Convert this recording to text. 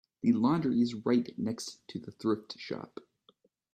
The laundry is right next to the thrift shop.